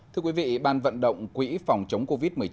thưa quý vị ban vận động quỹ phòng chống covid một mươi chín